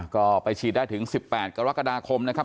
ก็ไปฉีดได้ถึง๑๘กรกฎาคมนะครับ